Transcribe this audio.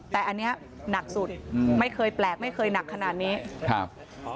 แต่อันเนี้ยหนักสุดอืมไม่เคยแปลกไม่เคยหนักขนาดนี้ครับ